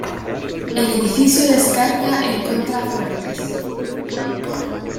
El edificio descarga en contrafuertes.